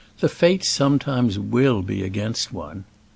"The fates sometimes will be against one."